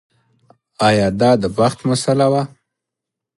ایا دا د بخت مسئله وه.